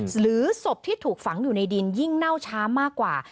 หรือศพที่ถูกฝังอยู่ในดินยิ่งเน่าช้ามากกว่า